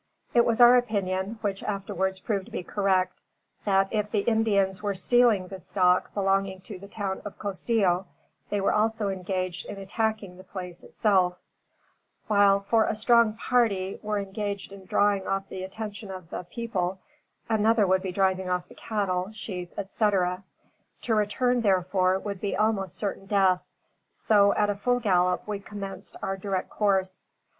It was our opinion, which afterwards proved to be correct, that, if the Indians were stealing the stock belonging to the town of Costillo, they were also engaged in attacking the place itself. For, while a strong party were engaged in drawing off the attention of the people, another would be driving off the cattle, sheep, etc. To return, therefore, would be almost certain death; so, at a full gallop we commenced our direct course.